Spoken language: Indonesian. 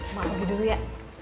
makan dulu ya